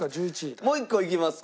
もう一個いきますか？